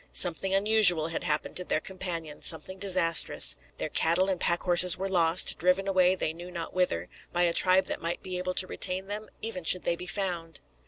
Something unusual had happened to their companion, something disastrous. Their cattle and pack horses were lost, driven away they knew not whither, by a tribe that might be able to retain them, even should they be found.